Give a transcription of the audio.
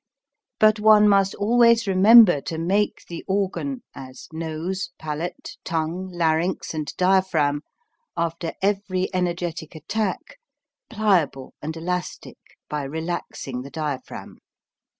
But one must always remember to make the organ, as nose, palate, tongue, larynx, and diaphragm, after every energetic attack, pliable and elastic by relaxing the diaphragm.